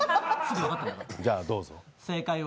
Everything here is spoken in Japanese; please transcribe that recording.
じゃあ、どうぞ。